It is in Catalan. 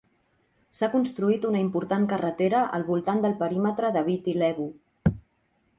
S'ha construït una important carretera al voltant del perímetre de Viti Levu.